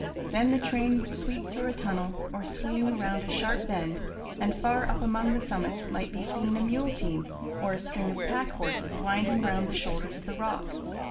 Then the train would sweep through a tunnel, or swing round a sharp bend, and far up among the summits might be seen a mule team, or a string of pack horses winding round the shoulders of the rock.